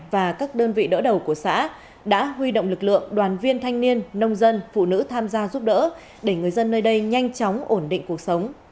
và các đơn vị đỡ đầu của xã đã huy động lực lượng đoàn viên thanh niên nông dân phụ nữ tham gia giúp đỡ để người dân nơi đây nhanh chóng ổn định cuộc sống